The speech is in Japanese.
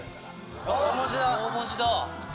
大文字だ。